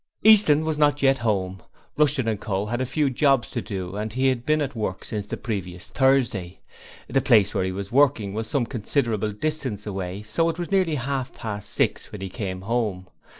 Easton was not yet home; Rushton & Co. had a few jobs to do and he had been at work since the previous Thursday. The place where he was working was some considerable distance away, so it was nearly half past six when he came home.